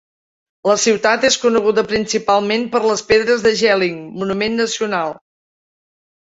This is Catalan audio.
La ciutat és coneguda principalment per les pedres de Jelling, monument nacional.